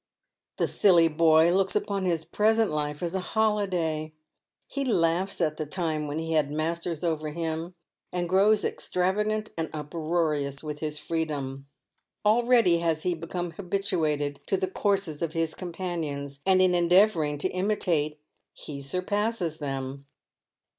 The silly boy looks upon his present life as a holiday ; he laughs at the time when he had masters over him, and grows extravagant and uproarious with his freedom. Already has he become habituated to the courses of his companions, and in endeavouring to imitate he sur passes them.